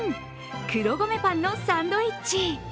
黒米パンのサンドイッチ。